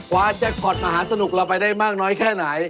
แจ็คพอร์ตมหาสนุกเราไปได้มากน้อยแค่ไหน